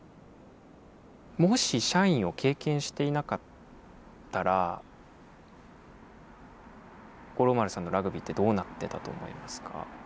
もし社員を経験していなかったら五郎丸さんのラグビーってどうなってたと思いますか？